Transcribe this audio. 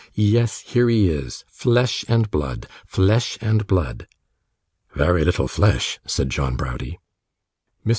'Yes, here he is, flesh and blood, flesh and blood.' 'Vary little flesh,' said John Browdie. Mr.